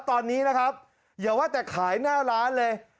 ตอนนี้นะครับอย่าว่าแต่ขายหน้าร้านเลย